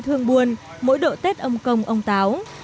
thường buồn mỗi độ tết ông công ông táo